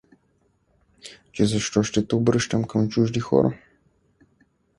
— Че защо ще се обръщам към чужди хора?